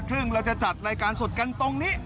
เราจะจัดรายการสดกันตรงนี้